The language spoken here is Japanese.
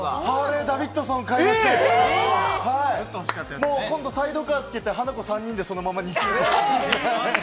ハーレーダビッドソンを買いまして、サイドカーつけてハナコ３人でそのまま。